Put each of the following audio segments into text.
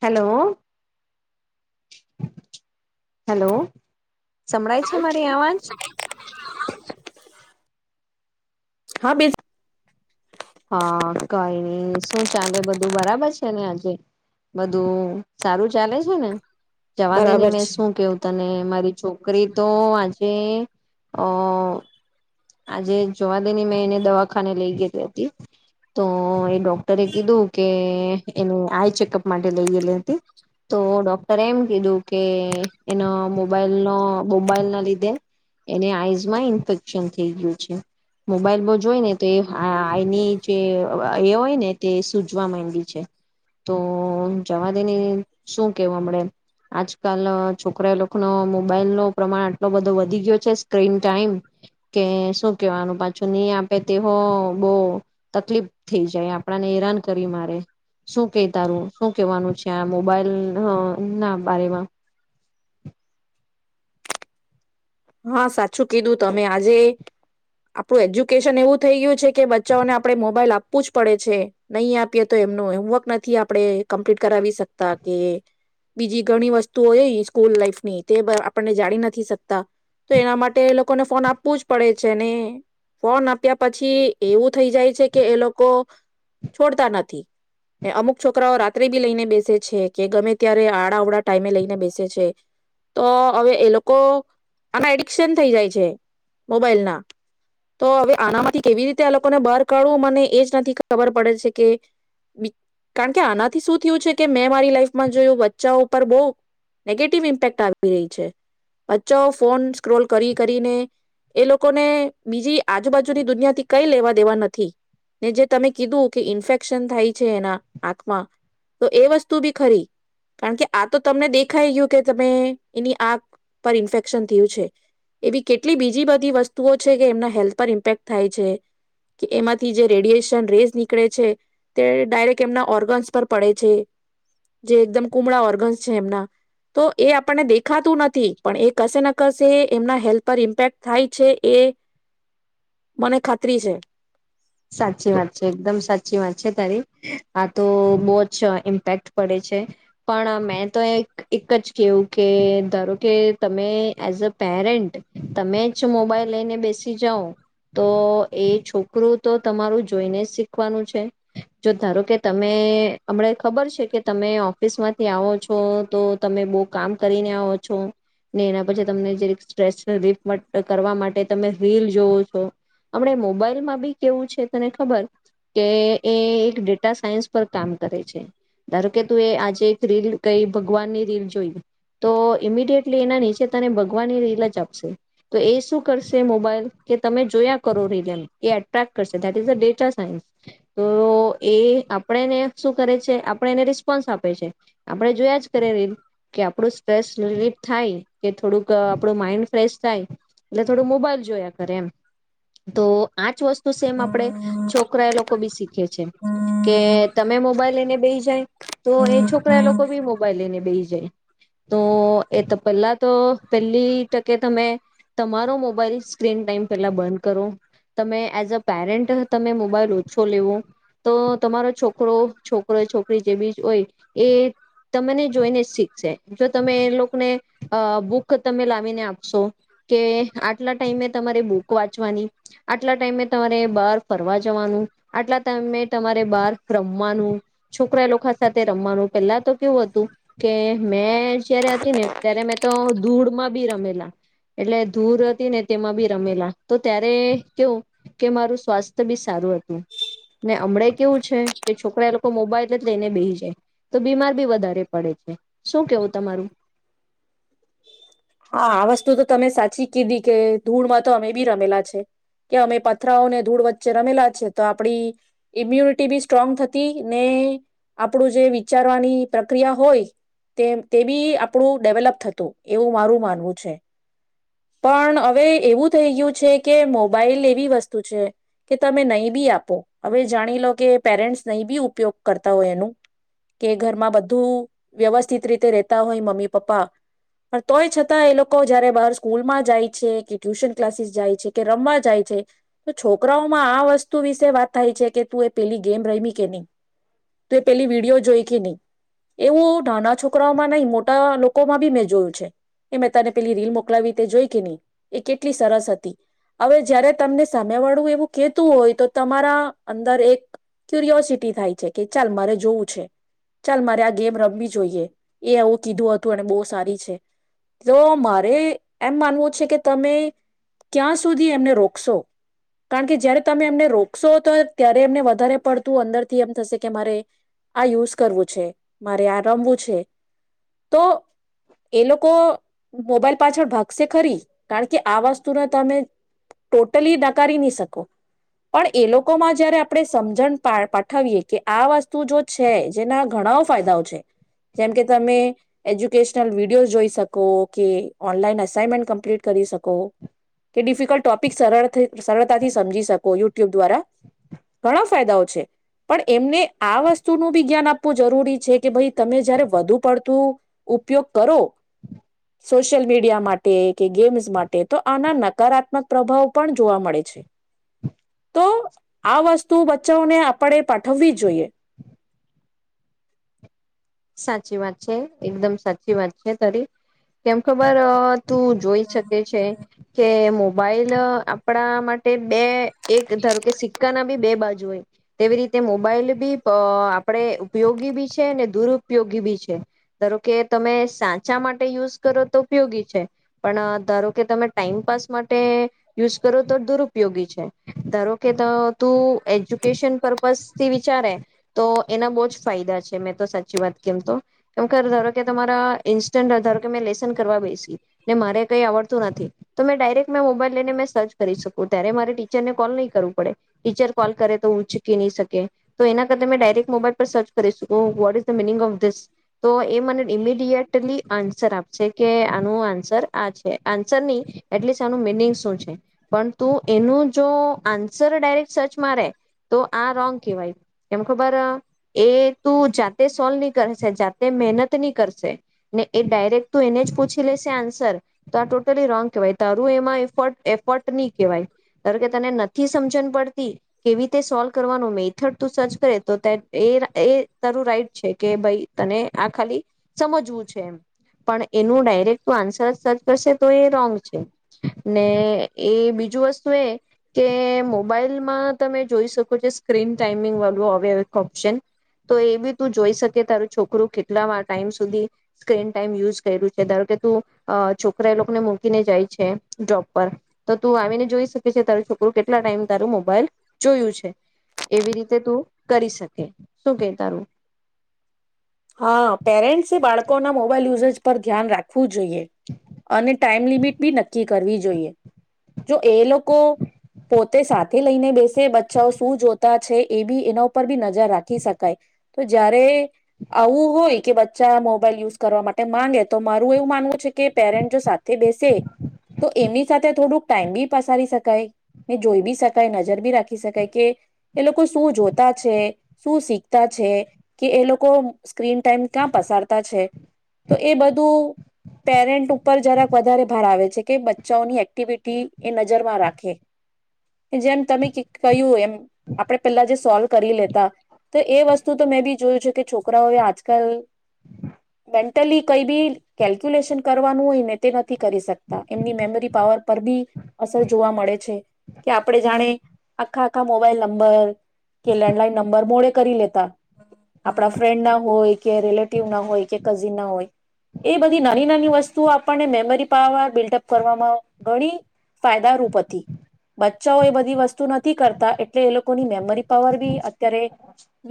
Hello hello સંભળાય છે મારી આવાજ હા બેસ હા કાય નય. શું ચાલે બધું બરાબર છે ને આજે? બધું સારું ચાલે છે ને જવા દેની બરાબર મેં છે શું કેવું તને મારી છોકરી તો આજે અ આજે જવા દે ને મેં એને દવાખાને લઈ ગેયલી હતી તો અ ડોક્ટરે કીધું કે એને આઈ ચેકઅપ માટે લેય ગેયલી હતી તો ડોક્ટરે એમ કીધું કે એનો મોબાઈલ નો મોબાઈલ ના લીધે એને આઈઝમાં ઇન્ફેક્શન થેયગીઉ છે. મોબાઈલ બો જોય ને તે એ આય ની જે એ હોય ને તે સૂજવા માંડી છે તો જવા દેને શું કેવ અમળે આજકાલ ના છોકરા લોકનો મોબાઈલ નો પ્રમાણ આટલો બધો વધી ગયો છે સ્ક્રીન ટાઈમ કે શું કેવાનું પાછું ની આપે તે હો બો તકલીફ થઈ જાય. આપણાને હેરાન કરી મારે શું કે તારું શું કેવાનું છે આ મોબાઈલ ના બારેમા હા સાચું કીધું તમે. આજે આપણું એજ્યુકેશન એવું થઈ ગયું છે કે બચ્ચાઓને આપણે મોબાઈલ આપવું જ પડે છે નહી આપીએ તો એમનું હોમવર્ક નથી આપણે કમ્પ્લીટ કરાવી શકતા કે બીજી ઘણી વસ્તુઓ છે સ્કૂલ લાઈફ ની તે આપણને જાણી નથી શકતા તો એના માટે એ લોકોને ફોન આપવું જ પડે છે ને ફોન આપ્યા પછી એવું થઈ જાય છે કે એ લોકો છોડતા નથીને અમુક છોકરાઓ રાત્રે બી લઈને બેસે છે કે ગમે ત્યારે આડા અવડા ટાઈમે લઈને બેસે છે તો હવે એ લોકો આના એડિકશન થઈ જાય છે મોબાઈલ ના તો હવે આનામાંથી કેવી રીતે આ લોકોને બહાર કાઢવું મને એ જ નથી ખબર પડે છે કે કારણ કે આનાથી શું થયું છે કે મેં મારી લાઈફમાં જોયું બચ્ચા ઉપર બો નેગેટિવ ઇમ્પેક્ટ આવી રહી છે બચ્ચા ઓ ફોન સ્ક્રોલ કરી કરીને એ લોકોને બીજી આજુબાજુની દુનિયાથી કઈ લેવા દેવા નથી ને જે તમે કીધું કે ઈન્ફેક્શન થાય છે એના આંખમાં તો એ વસ્તુ ભી ખરી કારણ કે આ તો તમને દેખાઈ ગયું કે તમે એની આંખ પર ઇન્ફે [unintelligible] થીયુ છે એવી કેટલી બીજી બધી વસ્તુઓ છે કે એમના હેલ્થ પર ઇમ્પેક્ટ થાય છે કે એમાંથી જે રેડિયેશન રેઝ નીકળે છે તે ડાયરેક્ટ એમના ઓર્ગન્સ પર પડે છે જે એકદમ કુમળા ઓર્ગન્સ છે એમના તો એ આપણને દેખાતું નથી પણ કશે ના કશે એમના હેલ્થ પર ઇમ્પેક્ટ થાય છે એ મને ખાતરી છે સાચી વાત છે એકદમ સાચી વાત છે તારી આ તો બહુ જ ઇમ્પેક્ટ પડે છે પણ મેં તો એક જ કેવું કે ધારો કે તમે એઝ અ પેરેન્ટ તમે જ મોબાઈલ લઈને બેસી જાઓ તો એ છોકરું તો તમારું જોઈને જ શીખવાનું છે જો ધારો કે તમે અમ ખબર છે કે તમે ઓફિસ માંથી આવો છો તો તમે બહુ કામ કરીને આવો છો ને એના પછી તમને જે સ્ટ્રેસ રિલીફ કરવા માટે તમે રીલ જોવો છો અમ મોબાઈલમાં ભી કેવું છે તને ખબર કે એ એક ડેટા સાયન્સ પર કામ કરે છે ધારો કે તું એ આજે એક રીલ કઈ ભગવાનની રીલ જોઈ તો ઈમિડિયટલી એના નીચે તને ભગવાનની રીલ જ આપશે તો એ શું કરશે મોબાઈલ કે તમે જોયા કરો રીલ એમ એ [unintelligible] ડેટા સાયન્સ તો એ આપણેને શું કરે છે આપણે એને રિસ્પોન્સ આપે છે આપણે જોયા જ કરે રીલ કે આપણું સ્ટ્રેસ રિલીફ થાય કે થોડુંક આપણું માઈન્ડ ફ્રેશ થાય એટલે થોડું મોબાઈલ જોયા કરે એમ તો આ જ વસ્તુ સેમ આપડે છોકરા એ લોકો [unintelligible] [unintelligible] કે તમે મોબાઈલ લઈને બેઈ જાય તો એ છોકરા લોકો ભી મોબાઈલ લઈને બેઈ જાય જાય તો એ પહેલા તો પેલી તકે તમે તમારો મોબાઈલ સ્ક્રીન ટાઈમ પેલા બંધ કરો તમે એઝ પેરેન્ટ તમે મોબાઈલ ઓછો લેવો તો તમારો છોકરો છોકરો છોકરી જે ભી હોય એ તમને જોઈને જ શીખશે જો તમે એ લોકોને બુક તમે લાવીને આપશો કે આટલા ટાઈમે તમારે બુક વાંચવાની આટલા ટાઈમે તમારે બાર ફરવા જવાનું આટલા તમે તમારે બાર રમવાનું છોકરા લોકો સાથે રમવાનું પેલા તો કેવું હતું કે મેં જયારે હતી ને ત્યારે મેં તો ધૂળમાં ભી રમેલા એટલે ધૂળ હતી ને તેમાં ભી રમેલા તો ત્યારે કેવું કે મારું સ્વાસ્થ્ય ભી સારું હતું ને હમણાં કેવું છે કે છોકરા એ લોકો મોબાઈલ જ લઈને બેહી જાય તો બીમાર ભી વધારે પડિ જાય શું કેવું તમારું હા આ વસ્તુ તો તમે સાચી કીધી કે ધૂળમાં તો અમે ભી રમેલા છે કે અમે પથરાઓને ધૂળ વચ્ચે રમેલા છે તો આપડી ઈમ્યુનિટી ભી સ્ટ્રોંગ થતી ને આપણું જે વિચારવાની પ્રક્રિયા હોય તે તે ભી આપણું ડેવલપ થતું એવું મારું માનવું છે પણ હવે એવું થઈ ગયું છે કે મોબાઈલ એવી વસ્તુ છે કે તમે નહી બી આપો હવે જાણી લો કે પેરેન્ટ્સ નહી ભી ઉપયોગ કરતા હોય એનું કે ઘરમાં બધું વ્યવસ્થિત રીતે રતા હોય મમ્મી પપ્પા પણ તોયં છતાં છતા એ લોકો જયારે બહાર સ્કૂલમાં જાય છે કે ટ્યુશન ક્લાસીસ જાય છે કે રમવા જાય છે તો છોકરાઓમાં આ વસ્તુ વિશે વાત થાય છે કે તું એ પેલી ગેમ રમી કે નહી તું એ પેલી વિડીયો જોઈ કે નહી એવું નાના છોકરાઓમાં નહી મોટા લોકોમાં ભી મેં જોયું છે એ મેં તને પેલી રીલ મોકલાવીવી તે જોઈ કે નહી એ કેટલી સરસ હતી હવે જયારે તમને સામે વાળું એવું કેતું હોય તો તમારા અંદર એક ક્યુરિયોસિટી થાય છે કે ચાલ મારે જોવું છે ચાલ મારે આ ગેમ રમવી જોઈએ એ આવું કીધું હતું અને બહુ સારી છે તો મારે એમ માનવું છે કે તમે ક્યાં સુધી એમને રોકશો કારણ કે જયારે તમે એમને રોકશો તો ત્યારે એમને વધારે પડતું અંદરથી એમ થશે કે મારે આ યુઝ કરવું છે મારે આ રમવું છે તો એ લોકો મોબાઈલ પાછળ ભાગશે ખરી કારણ કે આ વસ્તુને તમે ટોટલી નકારી નહી શકો પણ એ લોકોમાં જયારે આપણે સમજણ પાઠવીએ કે આ વસ્તુ જો છે જેના ઘણાઓ ફાયદાઓ છે જેમકે તમે એજ્યુકેશનલ વિડીિયોઝ જોઈ શકો કે ઓનલાઈન અસાઈનમેન્ટ કમ્પ્લીટ કરી શકો કે ડિફિકલ્ટ ટોપિક સરળતાથી સમજી શકો યુટ્યુબ દ્વારા ઘણા ફાયદાઓ છે પણ એમને આ વસ્તુનું ભી જ્ઞાન આપવું જરૂરી છે કે ભાઈ તમે જયારે વધુ પડતું ઉપયોગ કરો સોશિયલ મીડિયા માટે કે ગેમ્સ માટે તો આના નકારાત્મક પ્રભાવ પણ જોવા મળે છે તો આ વસ્તુ [unintelligible] આપણે પાઠવી જોઈએ સાચી વાત છે એકદમ સાચી વાત છે તારી કેમ ખબર તું જોઈ શકે છે કે મો બાઇલ આપણા માટે બે એક ધારો કે સિક્કા ના ભી બે બાજુ તેવી રીતે મોબાઈલ બી આપણેે ઉપયોગી બી છે ને દુરઉપયોગી ઉપયોગી બી છે ધારો કે તમે સાચા માટે યુઝ કરો તો ઉપયોગી છે પણ ધારો કે તમે ટાઈમપાસ માટે યુઝ કરો તો દુરપયોગી છે ધારો કે તું એજ્યુકેશન પર્પઝથી વિચારે તો એના બહુ જ ફાયદા છે મેં તો સાચી વાત કેમ તો કેમ કે ધારો કે તમારા ઈન્સ્ટન્ટ ધારો કે મેં લેસન કરવા બેસી ને મારે કઈ આવડતું નથી તો મેં ડાયરેક્ટ મેં મોબાઈલ લઈને મે સર્ચ કરી શકું ત્યારે મારે ટીચર ને કોલ નહીં કરવું પડે ટીચર કોલ કરે તો હું ચૂકી નહી શકે તો એના કર મેં ડાયરેક્ટ મોબાઈલ પર સર્ચ કરી શકું what is the meaning of તો એ મને ઇમીડિયેટલી આન્સર આપશે. કે આનું આન્સર આ છે આન્સર એટલીસ્ટ આનું મિનિંગ શું છે પણ તું એનું જો આન્સર ડાયરેક્ટ સર્ચ મારે તો આ રોંગ કેહેવાય એમ ખબર એ તું જાતે સોલ્વ જાતે મહેનત ની કરશે ને એ ડાયરેક્ટ તું એને જ પૂછી લેશે આન્સર તો આ ટોટલી રોંગ કેહેવાય તારું એમાં એ એફટ નહી કહેવાય ધારો કે તને નથી સમજણ પડતી કેવી રીતે સોલ્વ કરવાનું મેથડ તું સર્ચ કરે તો એ તારું રાઈટ છે. ભ ત આ ખાલી સમજવું છે એમ પણ એનું ડાયરેક ત આન્સર સર્ચ કરશે તો એ રોંગ છે ને એ બીજું વસ્તુ એ કે મોબાઈલમાં તમે જોઈ શકો છો સ્ક્રીન ટાઈમિંગ વાળું હ ઓપ્શન તો એ બી તું જોઈ શક કે તારું છોકરું કેટલા ટાઈમ સુધી સ્ક્રીન ટાઈમ યુઝ કર્યું છે ધારો કે તું છોકરા એ લોકોને મૂકીને જાય છે ડ્રોબ પર તો તું આવીને જોઈ શકે છે તારું છોકરું કેટલા ટાઈમ તારું મોબાઈલ જોયું છે એવી રીતે તું કરી શકે શું કે તારું હા પેરેન્ટ્સ એ બાળકો ના મોબાઈલ યુઝ જ પર ધ્યાન રાખે જોઈએ અને ટાઈમ લિમિટ બી નક્કી કરવી જોઈએ જો એ લોકો પોતે સાથે લઈને બેસે બચ્ચાઓ શું જોતા છે એ બી એના ઉપર બી નજર રાખી શકાય તો જયારે આવું હોય કે બચ્ચા મોબાઈલ યુઝ કરવા માટે માગે તો મારું એવું માનવું છે કે પેરેન્ટ જો સાથે બેસે તો એમની સાથે થોડુંક ટાઈમ બી પસારી શકાય ને જોઈ બી શકાય નજર બી રાખી ખી શકાય કે એ લોકો શું જોતા છે? શું શીખતા છે? કે એ લોકો સ્ક્રીન ટાઈમ ક્યાં પસારતા છે? તો એ બધું પેરેન્ટ ઉપર જરાક વધારે ભાર આવે છે કે બચ્ચાઓની એક્ટિવિટી એ નજરમાં રાખે કે જેમ તમે કી કહ્યું એમ આપડે પેલા જે સોલ્વ કરી લેતા તો એ વસ્તુ તો મેં બી જોયું છે કે છોકરાઓએ આજકાલ બે ટોટલી કઈ બી કેલ્ક્યુલેશન કરવાનું હોય ને તે નથી કરી શકતા એમની મેમરી પાવર પર બી અસર જોવા મળે છે કે આપણે જાણે આખા આખા મોબાઈલ નંબર કે લેન્ડલાઈન નંબર મોડે કરી લેતા આપણા ફ્રેન્ડ ના હોય કે રિલેટિવ ના હોય કે એ બધી નાની ના વસ્તુ આપણને મેમરી પાવર બિલ્ડઅપ કરવામાં ઘણી ફાયદારૂપ હતી બચ્ચાઓ એ બધી વસ્તુ નથી કરતા એટલે એ લોકોની મેમરી પાવર બી અત્યારે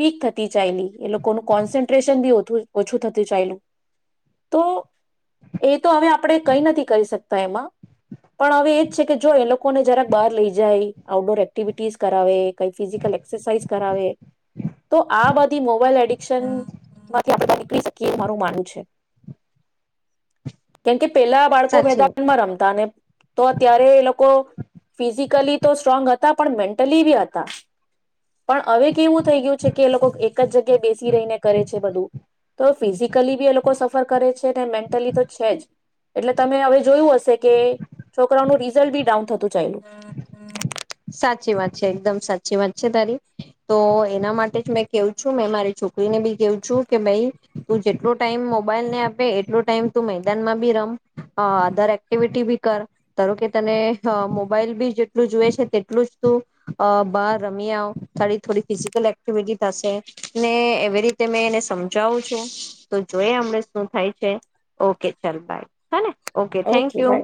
વીક થતી ચાલી એ લોકોનું કોન્સન્ટ્રેશન બી ઓછું થતું ચાયલું તો એ તો હવે આપણે કઈ નથી કરી શકતા એમાં પણ હવે એજ છે કે જો એ લોકોને જરાક બહાર લઈ જાય આઉટડોર એક્ટિવિટીસ કરાવે કઈ ફિઝિકલ એક્સરસાઇઝ કરાવે તો આ બધી મોબાઈલ એડિકશનમાંથી આપણે નીકળી શકીએ મારું માનવું છે કેમ કે પેલા બાળકો સાચી મેદાનમાં રમતા ને તો અત્યારે એ લોકો ફિઝિકલી તો સ્ટ્રોંગ હતા પણ મેન્ટલી બી હતા પણ હવે કેવું થઈ ગયું છે કે એ લોકો એક જ જગ્યાએ બેસી રહીને કરે છે બધું તો ફિઝિકલી બી એ લોકો સફર કરે છે મેન્ટલી તો છે જ એટલે તમે હવે જોયું હશે કે છોકરાનું રિઝલ્ટ બી ડાઉન થતું ચાયલુ સાચી વાત છે એકદમ સાચી વાત છે તારી તો એના માટે જ મેં કેવું છું મે મારી છોકરીને બી કેવું છું કે ભાઈ તું જેટલો ટાઈમ મોબાઈલ ને આપે એટલો ટાઈમ તું મેદાનમાં બી રમ અધર એક્ટિવિટી બી કર ધારો કે તને મોબાઈલ બી જેટલું જોઈએ છે તે એટલું જ તું બહાર રમી આવ તારી થોડી ફિઝિકલ એક્ટિવિટી થશે ને એવી રીતે મેં એને સમજાવું છું તો જોઈ હમણે શું થાય છે ઓકે ચાલ બાય હ ને ઓકે થેન્ક યુ